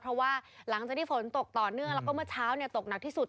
เพราะว่าหลังจากที่ฝนตกต่อเนื่องแล้วก็เมื่อเช้าตกหนักที่สุด